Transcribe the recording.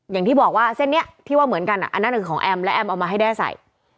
อย่างที่บอกว่าเส้นนี้ที่ว่าเหมือนกันอันนั้นคือของแอมและแอมเอามาให้แด้ใส่